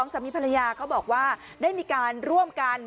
สามีภรรยาเขาบอกว่าได้มีการร่วมกัน